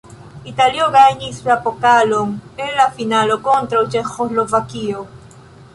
Italio gajnis la pokalon en la finalo kontraŭ Ĉeĥoslovakio.